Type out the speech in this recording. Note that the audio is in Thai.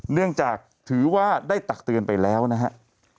เนื่องจากถือว่าได้ตักเตือนไปแล้วนะครับ